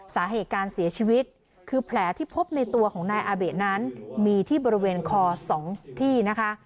สาเหตุการเสียชีวิตคือแผลที่พบในตัวของนายอาเบะนั้นมีที่บริเวณคอ๒ที่นะคะ